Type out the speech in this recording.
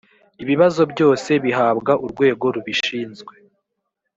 ibibazo byose bihabwa urwego rubishinzwe.